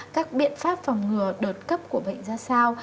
các biện pháp phòng ngừa đợt cấp của bệnh ra sao